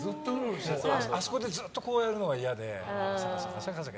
あそこでずっとこうやるのが嫌で。